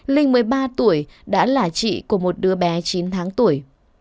linh một mươi ba tuổi đã là chị của một đứa bé chín tháng tuổi